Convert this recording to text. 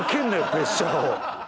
プレッシャーを。